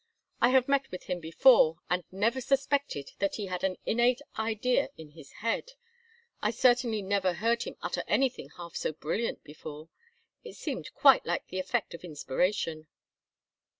I have met with him before, and never suspected that he had an innate idea in his head. I certainly never heard him utter anything half so brilliant before it seemed quite like the effect of inspiration."